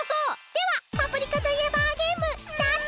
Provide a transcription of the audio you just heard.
ではパプリカといえばゲームスタート！